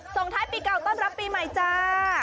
ส่งท้ายปีเก่าต้อนรับปีใหม่จ้า